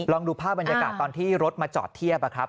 ลองดูภาพบรรยากาศตอนที่รถมาจอดเทียบ